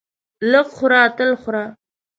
لږ خوره تل خوره.